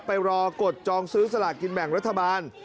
แต่ถ้าเป็นคนถูกจองซื้อสลากกินแบ่งรัฐบาล